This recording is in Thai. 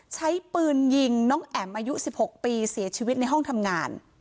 ใช้ปืนยิงน้องแอ๋มอายุ๑๖ปีเสียชีวิตในห้องทำงาน